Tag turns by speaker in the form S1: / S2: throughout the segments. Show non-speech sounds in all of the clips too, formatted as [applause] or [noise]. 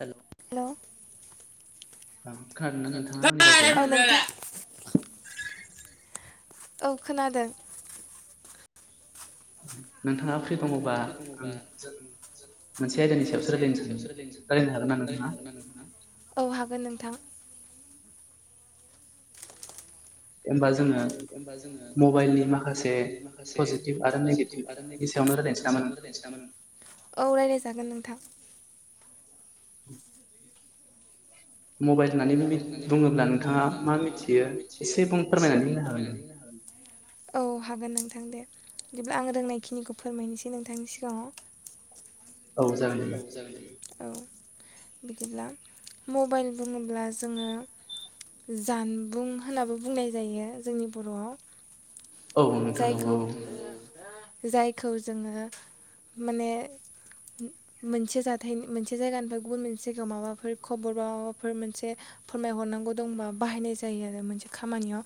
S1: हेल [inaudible] खोनादों ना नोंथाङा आंनि रावखौ
S2: औ खोनादों।
S1: औ
S2: औ हागोन नोंथां
S1: [unintelligible]
S2: औ रायलाय जागोन नोंथां।
S1: औ
S2: औ हागोन नोंथां दे। बिदिब्ला आं रोंनायखिनिखौ फोरमायनोसै नोंथांनि सिगाङाव औ जागोन दे औ बिदिब्ला मबाइल बुङोब्ला जोङो जानबुं होनाबो बुंनाय जायो जोंनि बर'आव।
S1: औ नोंथां नंगौ औ
S2: जायखौ जोङो माने मोनसे जाथायनि मोनसे जायगानिफ्राय गुबुन मोनसे जायगायाव माबाफोर खबर बा माबाफोर मोनसे फोरमायहरनांगौ दंबा बाहायनाय जायो आरो मोनसे खामानियाव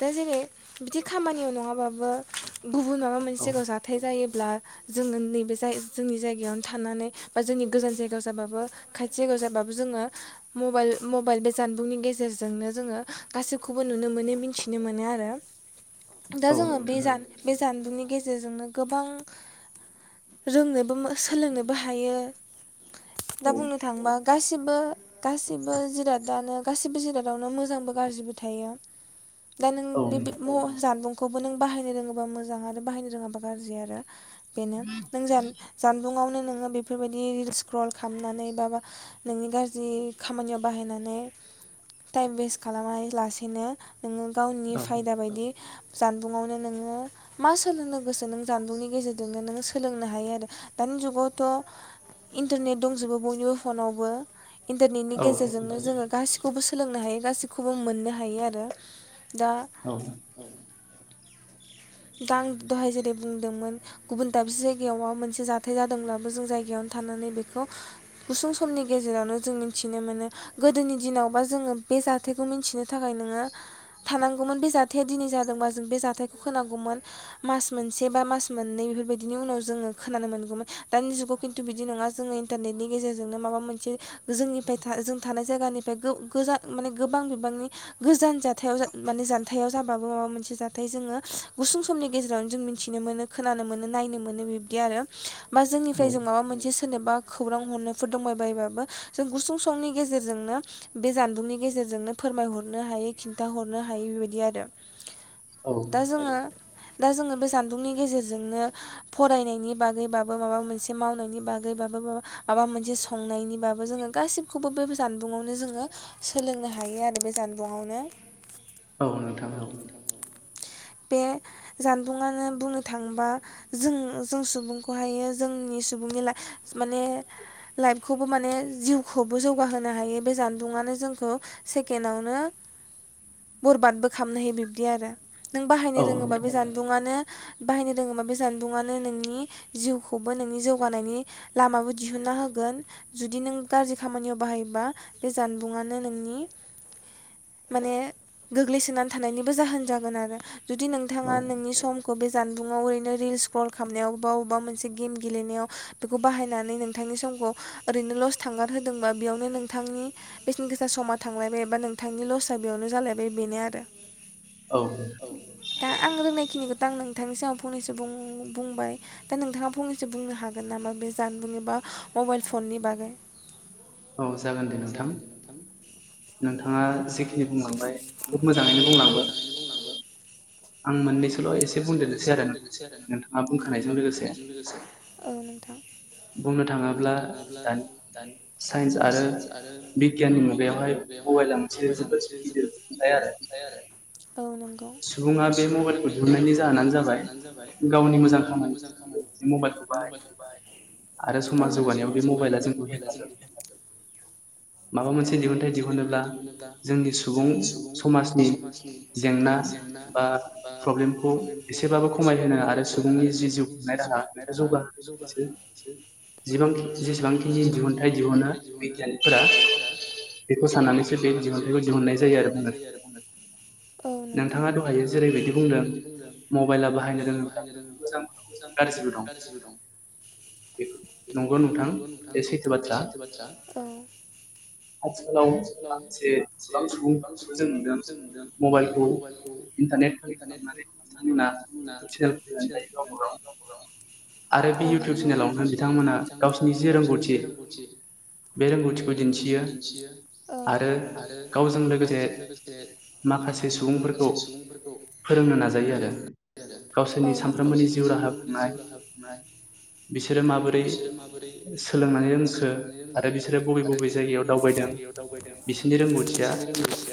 S2: दा जेरै- बिदि खामानियाव नङाबाबो गुबुन माबा मोनसे जायगायाव जाथाय जायो ब्ला जोङो नैबे जाय जोंनि जायगायावनो थानानै बा जोंनि गोजान जायगायाव जाबाबो खाथि जायगायाव जाबाबो जोङो मबाइल मबाइल बे जानबुंनि गेजेरजोंनो जोङो गासैखौबो नुनो मोनो मिथिनो मोनो आरो। दा जोङो बे जान बे जानबुंनि गेजेरजोंनो गोबां रोंनोबो सोलोंनोबो हायो। दा बुंनो थाङोबा गासिबो गासिबो जिरादानो गासिबो जिरादावनो मोजांबो गाज्रिबो थायो। दा नों बे जानबुंखौबो नों बाहायनो रोङोबा मोजां आरो बाहायनो रोङाबा गाज्रि आरो। बेनो नों जान-जानबुङावनो नोङो बेफोरबायदि रिल सक्रल खालामनानै बा नोंनि गाज्रि खामानियाव बाहायनानै टाइम वेस्ट खालामनानै लासेनो नोङो गावनि फाय [unintelligible] जानबुङावनो नोङो मा सोलोंनो सो नों जानुंनि गेजेरजोंनो नों सो सोलोंनो हायो आरो दानि जुगावथ' इन्टारनेट दंजोबो बयनिबो फनावबो इन्टारनेटनि गेजेरजोंनो जोङो गासिखौबो सोलोंनो हायो गासिखौबो मोननो हायो आरो दा
S1: औ
S2: दां दहाय जेरै बुंदोंमोन गुबुन दाबसे जायगायावबा मोनसे जाथाय जादोंब्लाबो जों जायगायावनो थानानै बेखौ गुसुं समनि गेजेरावनो जों मिथिनो मोनो गोदोनि दिनावबा जोङो बे जाथायखौ मिथिनो थाखाय नोङो थानांगौमोन बे जा [unintelligible] जाथाया दिनै जादोंबा जों बे जाथायखौ खोनांगौमोन मास मोनसे बा मास मोननै बेफोरबायदिनि उनाव जोङो खोनानो मोनगौमोन दानि जुगाव खिन्थु बिदि नङा जोङो इन्टारनेटनि गेजेरजोंनो माबा मोनसे जोंनिफ्राय जों थानाय जायगानिफ्रायजान माने गोबां बिबांनि गोजान जााथथायाव मान हथायाव जाबाबो माबा मोनसे जाथाय जोङो गुसुं समनि गेजेरावनो जों मिथिनो मोनो खोनानो मोनो नायनो मोनो बिब्दि आरो बा जोंनिफ्राय जों माबा मोनसे सोरनोबा खौरां हरनोफोर दंबायबायबाबो जों गुसुं समंनि गेजेरजोंनो बे जानबुंनि गेजेरजोंनो फोरमायहरनो हायो खिन्था हरनो हायो बेबायदि बिदिय आरो दा जोङो दा जोङो बे जानबुंनि गेजेरजोंनो फरायनायनि बागैबाबो माबा मोनसे मावनायनि बागैबाबो माबा मोनसे संनायनिबाबो जोङो गासिबखौबो बे जानबुंआवनो जोङो सोलोंनो हायो आरो बे जानबुंआवनो [inaudible] बे जानबुंआानो बुंनो थाङोबा जों जों सुबुंखौहायो जोंनि सुबुंनि माने लाइफखौबो माने जिउखौबो जौगाहोनो हायो बे जान दुङानो जोंखौ [unintelligible] बरुरबाद बो खालामनो हायो बिब्दि आरो नों बाहायनो रोङोबा बे जानबुङानो बाहायनो रोङोबा बे जानबुंङनो नोंनि जिउखौबो नोंनि जौगानायनि लामाबो दिहुना होगोन जुदि नों गाज्रि खामानियाव बाहायोबा बे जानबुंनो नोंनि माने गोग्लैसोनानै थानायनिबो जाहोन जागोन आरो जुदि नोंथाङा नोंनि समखौ बे जानबुंङाव ओरैनो रिलस कल खालामनायाव बा बबेबा मोनसे गेम गेलेनायाव बेखौ बाहायनानै नोंथांनि समखौ ओरैनो लस थांगार होदोंबा बेयावनो नोंथांनि बेसेन गोसा समा थांलायबाय बबा नोंथांनि लसआ बेयावनो जालायबाय बेनो आरो [inaudible] दा आं रोंनायखिनिखौ दा आं नोंथांनि सिगाङाव फंनैसो बुंबाय दा नोंथाङा फंनैसो बुंनो हागोन नामा बे जानबुं एबा मबाइल फननि बागै
S1: औ जागोन दे नोंथां नोंथाङा जेखिनि बुंलांबाय खोब मोजाङैनो बुं
S2: मोजाङैनो बुंनांगौ आं मोनैसोल' एसे बुंदेरनोसै आरो नोंथाङा बुंखानायजों लोगोसे औ नोंथाङ बुंनो थाङोब्ला दानि साइन्स आरो बिगियाननि मुगायावहाय मबाइला मोनसे जोबोद गिदिरथाय आरो [inaudible]
S1: आरो समाज जौगानायाव बे मबाइला जोंखौ हेफाजाब माबा मोनसे दिहुनथाइ दिहुनोब्ला जोंनि सुबुं समाजनि जेंना बा प्रब्लेमखौ एसेबाबो खमायहोनो आरो सुबुंनि जि जिउ खुंनाय राहा बेखौ जौगाहोनो थाखायसो
S2: जेसेबांखिनि दिहुुनथाइ दिहुनो बिगियानिकफोरा बेखौ साननानैसो बे दिहुनथाइखौ दिहुननाय जायो आरो। औ नंगौ, नोंथाङा दहाय जेरैबायदि बुंदों मबाइला बाहायनो रोङोब्ला मोजां गाज्रिबो दं। नंगौ नोंथां बे सैथो बाथ्रा। औ, आथिखालाव माखासे गोबां सुबुंखौ जों नुदों।
S1: मबाइलखौ इन्टारनेट कानेक्ट खालामनानै बिथांमोना इउटुब चेनेल खुलिनानै जायो गावबा गाव आरो बे इउटुब चेनेलाव
S2: इउटुब चेनेलाव होननानै बिथांमोना गावसिनि जि रोंगौथि बे रोंगौथिखौ दिन्थियो आरो गावजों लोगोसे
S1: सुबुंफोरखौ फोरोंनो नाजायो आरो गावसोरनि सानफ्रोमबोनि जिउ राहा खुंनाय। बिसोरो माबोरै सोलोंनानै रोंखो आरो बिसोरो बबे बबे जायगायाव दावबायदों बिसोरनि रोंगौथिया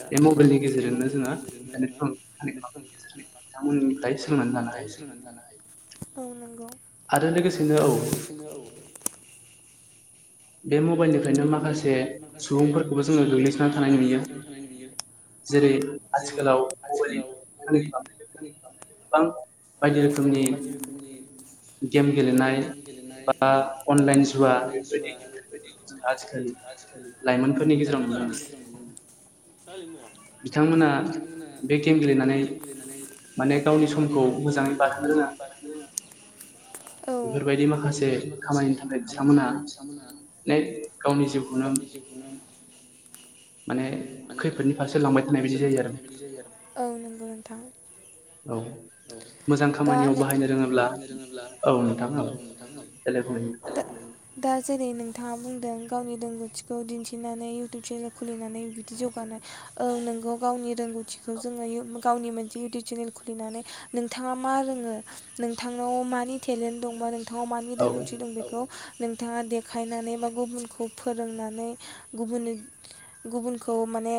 S1: बे मबाइलनि गेजेरजोंनो [unintelligible] बिथांमोननिफ्राय सोलोंनानै लानो हायो आरो लोगोसे -
S2: आरो लोगोसेनो औ। बे मबाइलनिफ्रायनो माखासे सुबुंफोरखौबो जोङो गोग्लैसोनानै थानाय नुयो जेरै आथिखालाव मबाइल [unintelligible] बायदि रोखोमनि गेम गेलेनाय बा अनलाइन जुवा बेफोर बायदि। आजि खालि लाइमोन फोरनि गेजेराव नुनो मोनो। बिथांमोनहा बे गेम गेलेनानै माने गावनि समखौ मोजाङै बारहोनो रोङा।
S1: बेफोरबायदि माखासे खामानिनि थाखाय बिथांमोना
S2: माने गावनि जिउखौनो। माने खैफोदनि फारसे लांबाय थानाय बायदि जायो। औ नंगौ नोंथां। औ, दा नों, मोजां खामानियाव बाहायनो रोङा औ नोंथां औ देलाय बुंलाय। दा जेरै नोंथाङा बुंदों गावनि रोंगौथिखौ दिन्थिनानै इउटुब चेनेल खुलिनानै जौगानाय औ नोंगौ गावनि रोंगौथिखौ जोङो गावनि मोनसे इउटुब चेनेल खुलिनानै नोंथाङा मा रोङो नोंथांनाव मानि टेलेन्ट दंबा नोंथां नाव मानि रोंगौथि दं बिखौ नोंथाङा देखायनानै बा गुबुनखौ फोरोंनानै गुबुन गुबुन खौ माने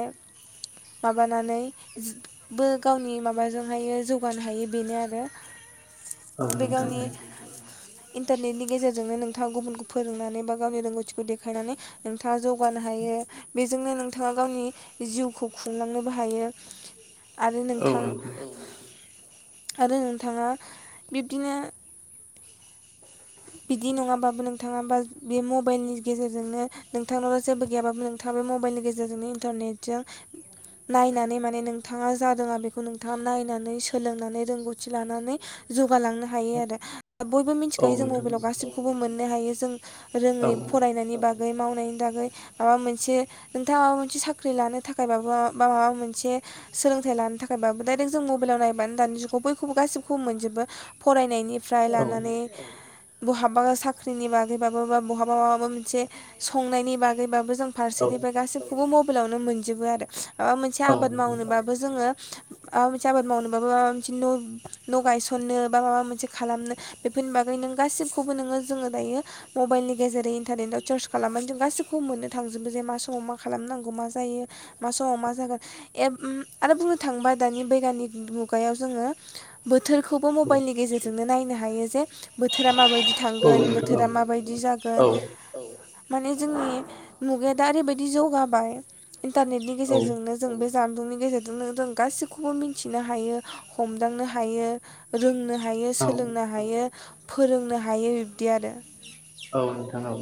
S2: माबानानै बो गावनि माबाजोंहाय जौगानो हायो बेनो आरो। बे गावनि इन्टारनेटनि गेजेरजोंनो नोंथाङा गुबुनखौ फोरोंनानै बा गावनि रोंगौथिखौ देखायनानै नोंथाङा जौगानो हायो बेजोंनो नों थाङा गावनि जिउखौ खुंलांनोबो हायो। आरो नोंथां। आरो नोंथाङा बिब्दिनो बिदि नङाबाबो नोंथाङा बा बे मबाइलनि गेजेरजोंनो नोंथांनाव' जेबो गैयाबाबो नोंथाङा बे मबाइलनि गेजेरजोंनो इन्टारनेटजों नायनानै माने नोंथाङा जा दङो बेखौ नोंथाङा नायनानै सोलोंनानै रोंगौथि लानानै जौगा लांनो हायो आरो बयबो मि जों मबाइलाव गासिखौबो मोन हायो जों रोङै फरायनायनि बागै माव नि थाखायै माबा मोनसे नोंथाङा माबा मोनसे साख्रि लानो थाखायबाबो बा माबा मोनसे सोलोंथाइ लानो थाखायबाबो डाइरेक्ट जों मबाइलाव नायबा दानि जुगाव बयखौबो गासिबोखौबो मोनजोबो फरायनायनि निफ्राय लानानै बहाबा साख्रिनि बागैबाबो बा बहाबा माबा मोनसे संनायनि बागैबाबो जों फारसेनिफ्राय गासैब खौबो मबाइलावनो मोनजोबो आरो आ मोनसे आबाद मावनोबाबो जोङो आबा आबाद मोनसे आबाद मावनोबाबो माबा मोनसे न' न' गायसननो बा माबा मोनसे खालामनो बे बेफोरनि बागै नों गासिबखौबो नोङो जोङो दायो मबाइलनि गेजेरै इन्टारनेटव सार्च खालामनानै जों गासिखौबो मोननो थांजोबो जे मा समाव मा खालामनांगौ मा जायो मा समाव मा जागोन ए आरो बुंनो थाङोबा दानि बैग्यानिक मुगायाव जोङो बो थोरखौबो मबाइलनि गेजेरजों नो नायनो हायो जे बोथोरा माबायदि थांगोन बोथोरा माबायदि जागोन माने जोंनि मुगाया दा ओरैबायदि जौगाबाय इन्टारनेटनि गेजेरजोंनो जों बे जानबुंनि गेजेरजोंनो जों गासिबखौबो मिथिनो हायो हमदांनो हायो रोंनो हायो सोलोंनो हायो। फोरोंनो हायो बिब्दि आरो
S1: औ नोंथां औ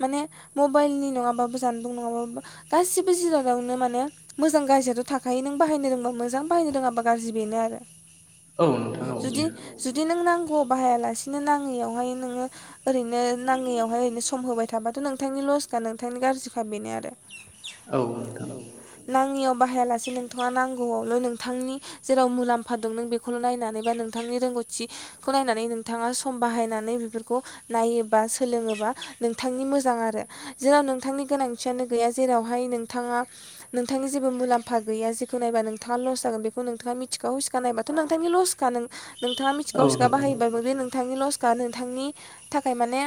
S2: माने मबाइलनि नङाबाबो जानबुं नङाबो गासिबो जिरादावनो माने मोजां गाज्रियाथ' थाखायो नों बाहायनो रोंबा मोजां बाहायनो रोङाबा गाज्रि बेनो आरो जुदि जुदि नोंना गौ बाहायालासेनो नाङैयावहाय नोङो ओरैनो नाङैयावहाय ओरै सम होबाय थाबाथ' नोंथांनि लसखा नोंथांनि गाज्रिखा बेनो आरो
S1: औ नोथां।
S2: नाङियाव बाहायालासे नोंथाङा नांगौआवल' नोंथांनि जेराव मुलाम्फा दं नों बेखौल' नायनानै बा नोंथांनि रोंगौथि खौ नायनानै नोंथाङा सम बाहायनानै बेफोरखौ नायोबा सोलोङोबा नोंथांनि मोजां आरो जेराव नोंथांनि गोनांथियानो गैया जेरावहाय नोंथाङा नोंथांनि जेबो मुलाम्फा गैया जेखौ नायबा नोंथाङा लस जागोन बेखौ नोंथाङा मिथिखा हसिखा नायबाथ' नोंथांनि लसखा नों नोंथाङा मिथि गावसखा बाहायबाबो बे नोंथांनि लस खा नोंथांनि थाखाय माने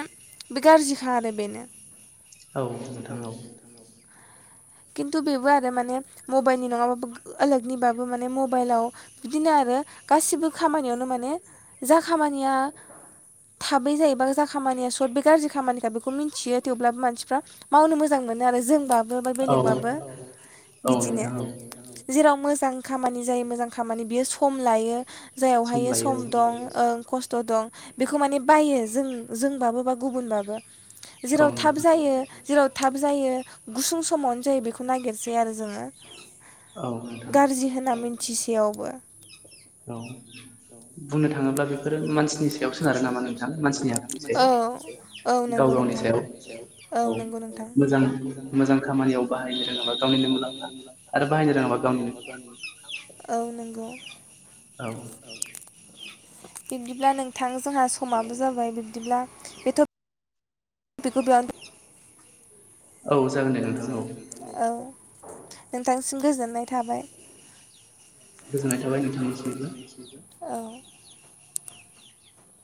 S2: बे गाज्रिखा आरो बेनो
S1: औ नोंथां औ
S2: खिन्थु बेबो आरो माने मबाइलनि नङाबाबो आलगनिबाबो माने मबाइलाव बिदिनो आरो गासिबो खामानियावनो माने जा खामानिया थाबै जायोबा जा खामानिया सर्ट बे गाज्रि खामानिखा बेखौ मिथियो थेवब्लाबो मानसिफ्रा मावनो मोजां मोनो आरो जोंबाबो बो बा बे बाबो बिदिनो जेराव मोजां खामानि जायो मोजां खामानि बियो सम लायो। जायावहायो सम दं ओं खस्थ' खस्थ' दं बेखौ माने बायो जों जोंबाबो बा गुबुनबाबो जेराव थाब जायो। जेराव थाब जायो गुसुं समाव जायो बेखौ नागिरसै आरो जोङो गाज्रि होनना मि मिथिसेयावबो
S1: औ बुंनो थाङोब्ला बेफोरो मानसिनि सायाव सोनारो नामा नोंथां मानसिनि आखुनि सायाव गाव गावनि सायाव औ मोजां मोजां खामानियाव
S2: बाहायनो रोङोब्ला गावनिनो मुलाम्फा आरो बाहायनो रोङाब्ला गावनिनो [unintelligible] औ नंगौ गौ
S1: औ
S2: [inaudible] बिब्दिब्ला नोंथां जोंहा समाबो जाबाय बिब्दिब्ला बेथ' बेखौ बेयावनो दोन
S1: औ जागोन दे नोंथां औ
S2: नोंथांसिम गोजोननाय थाबाय
S1: गोजोननाय थाबाय नोंथांनिसिमबो।
S2: औ